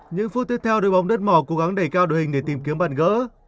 những phút tiếp theo đội bóng đất mỏ cố gắng đẩy cao đội hình để tìm kiếm bàn gỡ